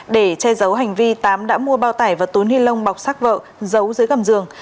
để che giấu hành vi tám đã mua bao tải và tốn hình lông bọc sắc vợ giấu dưới cầm giường